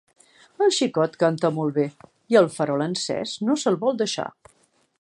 El xicot canta molt bé i el farol encés no se'l vol deixar.